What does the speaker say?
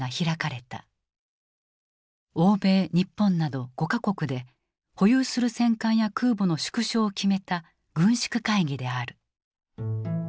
欧米日本など５か国で保有する戦艦や空母の縮小を決めた軍縮会議である。